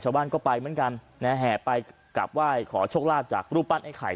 ชาวบ้านก็ไปเหมือนกันนะฮะแห่ไปกลับไหว้ขอโชคลาภจากรูปปั้นไอ้ไข่